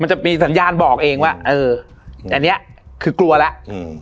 มันจะมีสัญญาณบอกเองว่าเอออันเนี้ยคือกลัวแล้วอืม